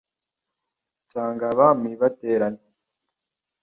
nsanga abami bateranye